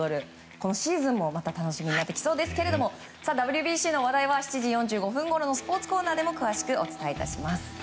今シーズンもまた楽しみになってきそうですがＷＢＣの話題は７時４５分ごろのスポーツコーナーでも詳しくお伝えします。